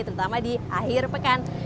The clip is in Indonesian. terutama di akhir pekan